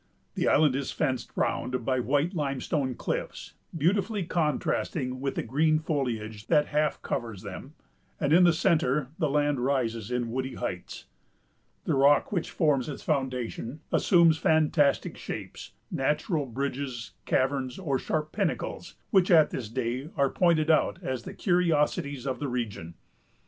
The island is fenced round by white limestone cliffs, beautifully contrasting with the green foliage that half covers them, and in the centre the land rises in woody heights. The rock which forms its foundation assumes fantastic shapes——natural bridges, caverns, or sharp pinnacles, which at this day are pointed out as the curiosities of the region.